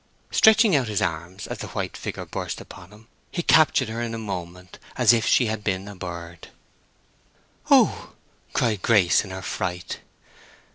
Stretching out his arms as the white figure burst upon him, he captured her in a moment, as if she had been a bird. "Oh!" cried Grace, in her fright.